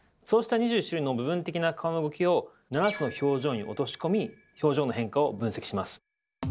そうした２１種類の部分的な顔の動きを７つの表情に落とし込み表情の変化を分析します。